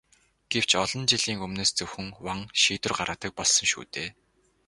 Гэвч олон жилийн өмнөөс зөвхөн ван шийдвэр гаргадаг болсон шүү дээ.